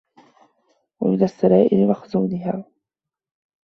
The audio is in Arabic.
وَمِنْ السَّرَائِرِ مَخْزُونَهَا